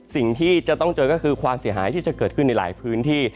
สิ่งที่จะต้องเจอก็คือความเสียหายที่จะเกิดขึ้นในหลายพื้นที่